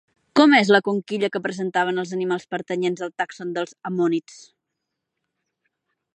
Com és la conquilla que presentaven els animals pertanyents al tàxon dels ammonits?